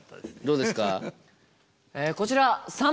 どうですか？